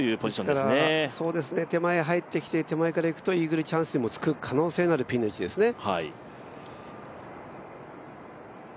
ですから手前入ってきて手前行くとイーグルチャンスにもつく可能性があるピンの位置ですね。